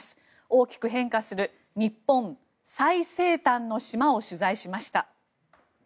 大きく変化する日本最西端の島を取材しました。